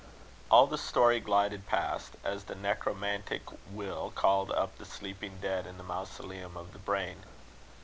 All the story glided past, as the necromantic Will called up the sleeping dead in the mausoleum of the brain.